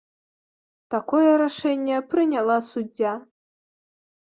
Такое рашэнне прыняла суддзя.